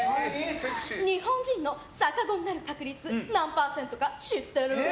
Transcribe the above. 日本人の逆子になる確率何パーセントか知ってる？